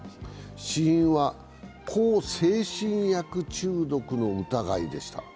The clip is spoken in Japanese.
死因は向精神薬中毒の疑いでした。